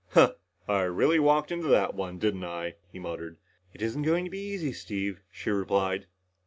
"Huh. I really walked into that one, didn't I?" he muttered. "It isn't going to be easy, Steve," she replied.